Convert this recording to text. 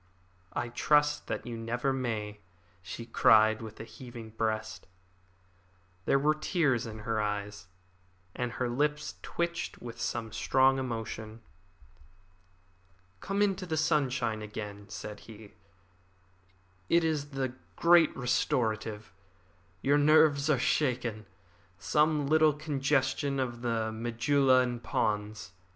"I trust that you never may," she cried, with a heaving breast. There were tears in her eyes, and her lips twitched with some strong emotion. "Come into the sunshine again," said he. "It is the great restorative. Your nerves are shaken. Some little congestion of the medulla and pons.